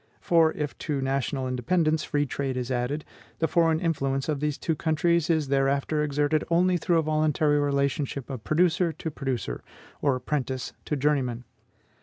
For, if to national independence free trade is added, the foreign influence of these two countries is thereafter exerted only through a voluntary relationship of producer to producer, or apprentice to journeyman.